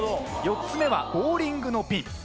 ４つ目はボーリングのピン。